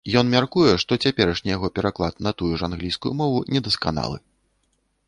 Ён мяркуе, што цяперашні яго пераклад на тую ж англійскую мову недасканалы.